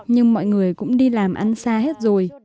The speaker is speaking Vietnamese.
nhưng mọi người cũng đi làm ăn xa hết rồi